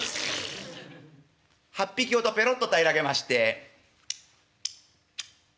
８匹ほどぺろっと平らげまして。